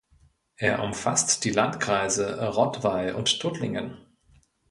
Er umfasst die Landkreise Rottweil und Tuttlingen.